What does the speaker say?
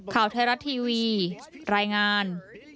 ข่าวไทยรัฐทีวีรายงาน